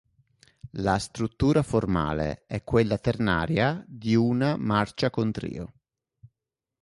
La struttura formale è quella ternaria di una "marcia con trio".